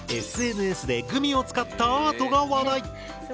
ＳＮＳでグミを使ったアートが話題！